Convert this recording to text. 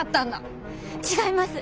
違います。